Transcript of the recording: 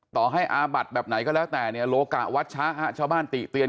ต่อให้อาบัดแบบไหนก็แล้วแต่เนี่ยโลกะวัชชะฮะชาวบ้านติเตียน